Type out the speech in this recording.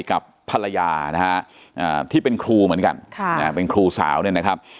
กับภรรยานะฮะที่เป็นครูเหมือนกันเป็นครูสาวเนี่ยนะครับ